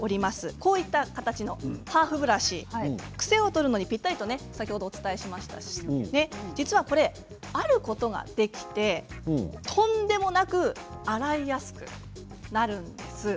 こういった形のハーフブラシ癖を取るのにぴったりと先ほどお伝えしましたけれど実は、これ、あることができてとんでもなく洗いやすくなるんです。